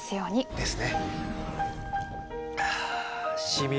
ですね。